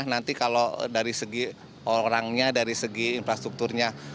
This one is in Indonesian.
nanti kalau dari segi orangnya dari segi infrastrukturnya